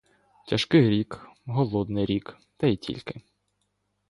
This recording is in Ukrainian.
Тяжкий рік, голодний рік — та й тільки.